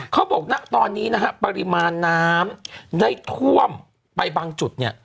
เขาบอกณตอนนี้นะฮะปริมาณน้ำได้ท่วมไปบางจุดเนี่ย